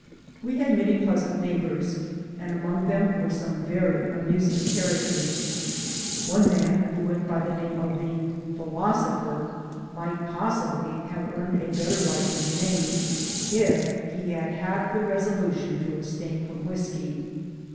We had many pleasant neighbors, and among them were some very amusing characters. One man, who went by the name of the "Philosopher," might possibly have earned a better right to the name, if he had had the resolution to abstain from whisky.